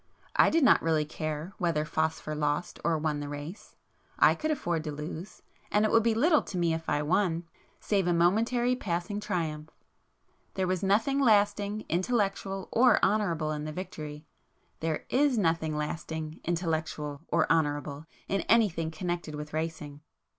I did not really care whether 'Phosphor' lost or won the race. I could afford to lose; and it would be little to me if I won, save a momentary passing triumph. There was nothing lasting, intellectual or honourable in the victory,—there is nothing lasting, intellectual or honourable in anything connected with racing.